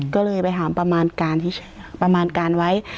ก็เลยไปถามประมาณการที่ประมาณการไว้